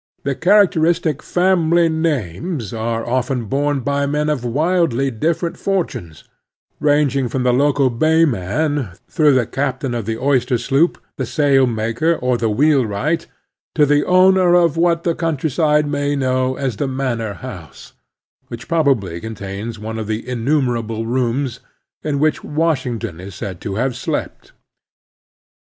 The characteristic family names are often borne by men of widely different fortunes, ranging from the local bayman through the captain of the oyster sloop, the sailmaker, or the wheelwright, to the owner of what the countryside may know as the manor house — ^which probably contains one of the innumerable rooms in which Washington is said to have slept.